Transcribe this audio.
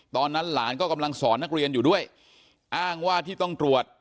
ตอนนั้นหลานก็กำลังสอนนักเรียนอยู่ด้วยอ้างว่าที่ต้องตรวจ